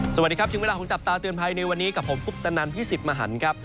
สวัสดีครับถึงเวลาของจับตาเตือนภัยในวันนี้กับผมคุปตนันพี่สิทธิ์มหันครับ